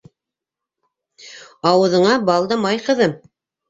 Ауыҙыңа бал да май, ҡыҙым!